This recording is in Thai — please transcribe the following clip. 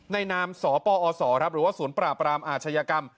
นามสปอศหรือว่าศูนย์ปราบรามอาชญากรรม